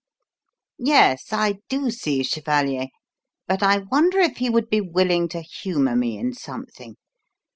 "Yes, I do see, chevalier; but I wonder if he would be willing to humour me in something?